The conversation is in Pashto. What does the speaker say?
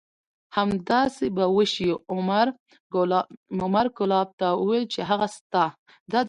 همداسې به وشي. عمر کلاب ته وویل چې هغه ستا